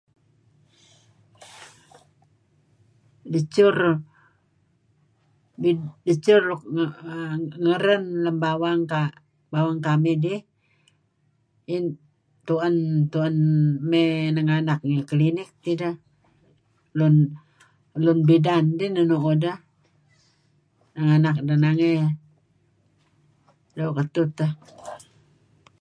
Dechur luk ngeren lem bawang kamih dih tu'en mey nenganak ngi klinik tidah, lun bidan deh nu'uh deh nangy. Doo' ketuh teh.